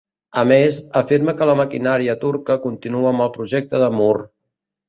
A més, afirma que la maquinària turca continua amb el projecte de mur.